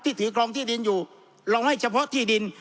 ถือกรองที่ดินอยู่ลองให้เฉพาะที่ดิน